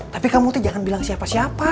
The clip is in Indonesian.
tapi kamu tuh jangan bilang siapa siapa